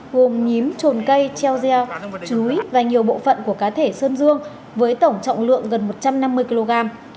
gồm nhím trồn cây treo gieo chuối và nhiều bộ phận của cá thể sơn dương với tổng trọng lượng gần một trăm năm mươi kg